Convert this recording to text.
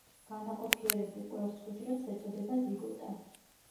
განაყოფიერებულ კვერცხუჯრედს ეწოდება ზიგოტა.